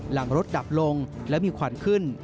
หลังรถดับลงและมีควันขึ้น